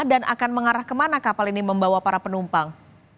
dan akan mengarah ke mana kapal ini membawa para penumpang